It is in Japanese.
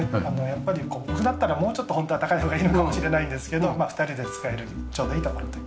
やっぱりこう僕だったらもうちょっと本当は高い方がいいのかもしれないんですけどまあ２人で使えるちょうどいいところって。